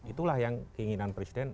itulah yang keinginan presiden